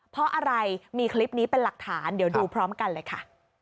เพราะอะไรมีคลิปนี้เป็นหลักฐานเดี๋ยวดูพร้อมกันเลยค่ะ